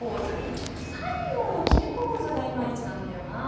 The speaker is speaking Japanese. ちょっと最後の決めポーズがイマイチなんだよな。